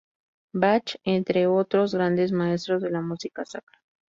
Bach, entre otros grandes maestros de la música sacra.